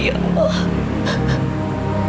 mas rudi allah